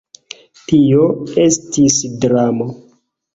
Tio estis dramo.